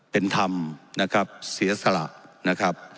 เป็นธรรมนะครับเสียสละนะครับ